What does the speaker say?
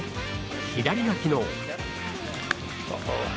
左が昨日。